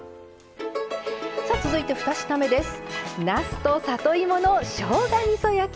さあ続いて２品目です。